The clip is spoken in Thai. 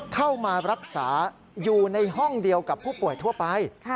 เข้ามารักษาอยู่ในห้องเดียวกับผู้ป่วยทั่วไป